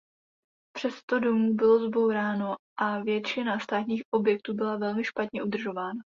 Přes sto domů bylo zbouráno a většina státních objektů byla velmi špatně udržována.